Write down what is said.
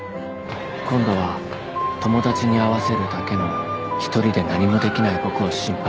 今度は友達に合わせるだけの１人で何もできない僕を心配した